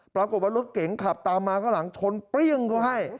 ปรากฏว่ารถเก๋งขับตามมาข้างหลังชนเปรี้ยงเขาให้